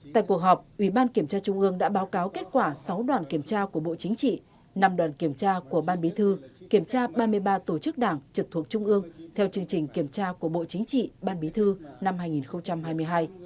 tại cuộc họp ủy ban kiểm tra trung ương đã báo cáo kết quả sáu đoàn kiểm tra của bộ chính trị năm đoàn kiểm tra của ban bí thư kiểm tra ba mươi ba tổ chức đảng trực thuộc trung ương theo chương trình kiểm tra của bộ chính trị ban bí thư năm hai nghìn hai mươi hai